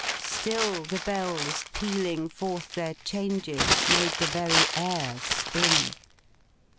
Still the Bells, pealing forth their changes, made the very air spin.